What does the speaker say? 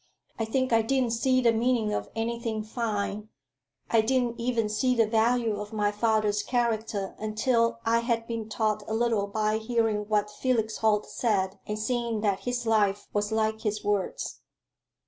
"I think I didn't see the meaning of anything fine I didn't even see the value of my father's character, until I had been taught a little by hearing what Felix Holt said, and seeing that his life was like his words."